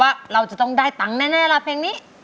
ว่าเราจะต้องได้ฟังแน่เพลงนี้